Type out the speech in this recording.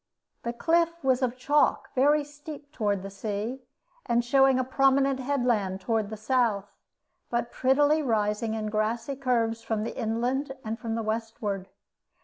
The cliff was of chalk, very steep toward the sea, and showing a prominent headland toward the south, but prettily rising in grassy curves from the inland and from the westward.